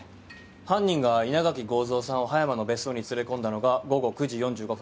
犯人が稲垣剛蔵さんを葉山の別荘に連れ込んだのが午後９時４５分。